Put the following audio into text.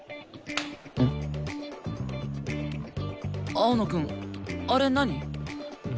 青野くんあれ何？